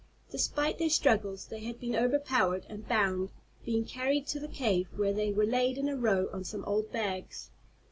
Despite their struggles they had been overpowered and bound, being carried to the cave, where they were laid in a row on some old bags.